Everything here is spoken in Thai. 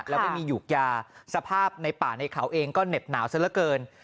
แล้วไม่มีหยูกยาสภาพในป่าในเขาเองก็เหน็บหนาวซะละเกิน